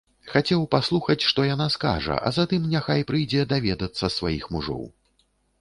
Хацеў паслухаць, што яна скажа, а затым няхай прыйдзе даведацца сваіх мужоў.